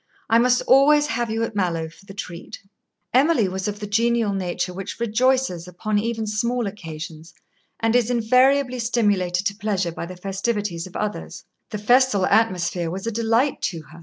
I must always have you at Mallowe for the treat." Emily was of the genial nature which rejoices upon even small occasions, and is invariably stimulated to pleasure by the festivities of others. The festal atmosphere was a delight to her.